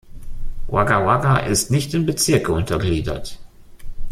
Wagga Wagga ist nicht in Bezirke untergliedert.